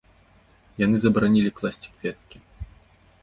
Яны забаранілі класці кветкі.